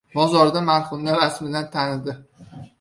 Mozorda marhumni rasmidan tanidi.